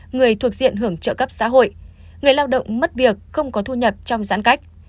người thuộc diện hưởng trợ cấp xã hội người lao động mất việc không có thu nhập trong giãn cách